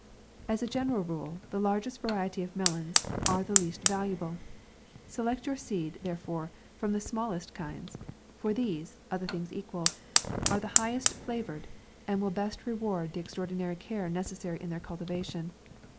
As a general rule, the largest variety of melons are the least valuable ; select your seed, therefore, from the smallest kinds ; for these* other things equal are the highest flavoured K2 114 MAY. and will best reward the extraordinary care necessary in their cultivation.